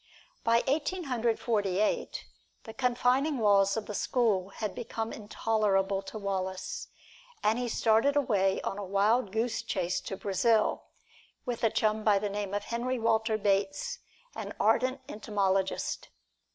By Eighteen Hundred Forty eight, the confining walls of the school had become intolerable to Wallace, and he started away on a wild goose chase to Brazil, with a chum by the name of Henry Walter Bates, an ardent entomologist.